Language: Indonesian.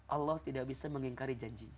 allah tidak bisa mengingkari janjinya